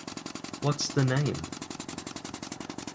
What's the name?